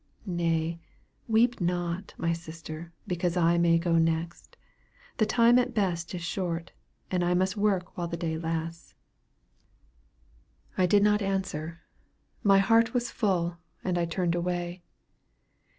Nay, weep not, my sister, because I may go next. The time at best is short, and I must work while the day lasts." I did not answer. My heart was full, and I turned away.